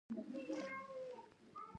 دا زموږ هر څه دی